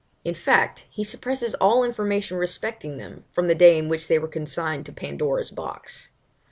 In fact, he suppresses all information respecting them, from the day in which they were consigned to 'Pandora's Box.'